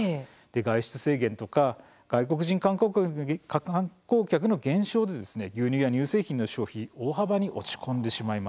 外出制限とか外国人観光客の減少で牛乳や乳製品の消費大幅に落ち込んでしまいました。